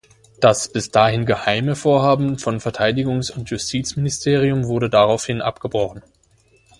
Das bis dahin geheime Vorhaben von Verteidigungs- und Justizministerium wurde daraufhin abgebrochen.